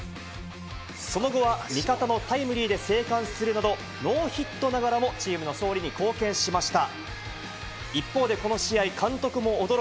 その後は味方のタイムリーで生還するなど、ノーヒットながらもチームの勝利に貢献しました。